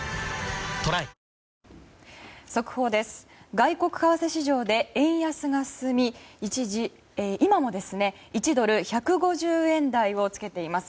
外国為替市場で円安が進み一時、今も１ドル＝１５０円台をつけています。